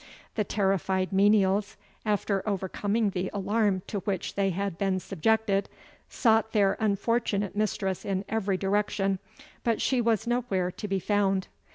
The terrified menials, after overcoming the alarm to which they had been subjected, sought their unfortunate mistress in every direction, but she was nowhere to be found.